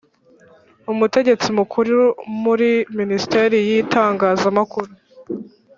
Umutegetsi mukuru muri Minisiteri yItangazamakuru